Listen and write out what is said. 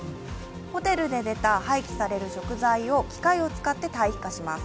ホテルで出た廃棄される食材を機械を使って、堆肥化します。